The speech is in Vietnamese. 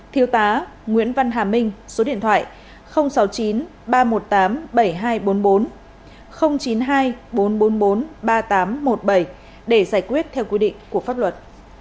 thiếu tá nguyễn văn hà minh số điện thoại sáu mươi chín ba trăm một mươi tám bảy nghìn hai trăm bốn mươi bốn chín mươi hai bốn trăm bốn mươi bốn ba nghìn tám trăm một mươi bảy để giải quyết theo quy định của pháp luật